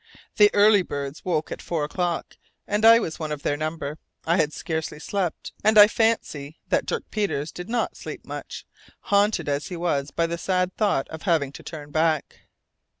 The early birds awoke at four o'clock, and I was one of their number. I had scarcely slept, and I fancy that Dirk Peters did not sleep much, haunted as he was by the sad thought of having to turn back!